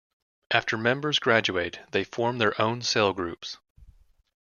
After members graduate they form their own cell groups.